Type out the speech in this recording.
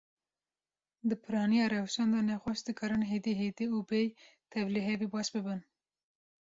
Di piraniya rewşan de, nexweş dikarin hêdî hêdî û bêy tevlihevî baş bibin.